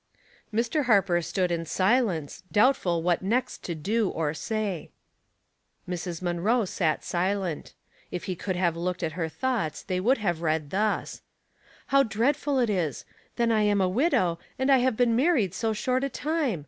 Mr. Harper stood in silence, doubtful what next to do or say. Mrs. Munroe sat silent. If he could have looked at her thoughts they would have read thus: "How dreadful it is! Then I am a widow, and I have been married so short a time.